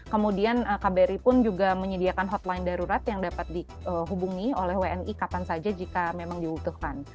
kemudian kbri pun juga menyediakan hotline darurat yang dapat dihubungi oleh wni kapan saja jika memang diutuhkan